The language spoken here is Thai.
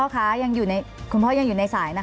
คุณพ่อยังอยู่ในสายนะคะ